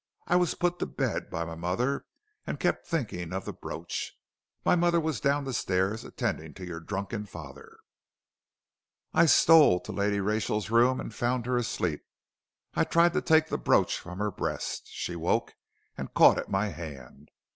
I was put to bed by my mother, and kept thinking of the brooch. My mother was down the stairs attending to your drunken father. I stole to Lady Rachel's room and found her asleep. I tried to take the brooch from her breast. She woke and caught at my hand.